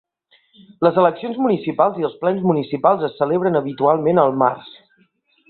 Les eleccions municipals i els plens municipals se celebren habitualment al març.